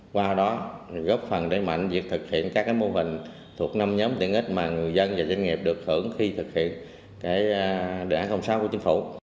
qua đó góp phần đẩy mạnh việc thực hiện các mô hình thuộc năm nhóm tiện ích mà người dân và doanh nghiệp được hưởng khi thực hiện đề án sáu của chính phủ